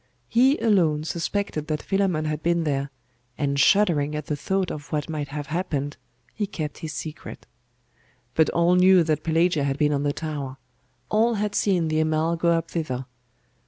He alone suspected that Philammon had been there; and shuddering at the thought of what might have happened, he kept his secret. But all knew that Pelagia had been on the tower; all had seen the Amal go up thither.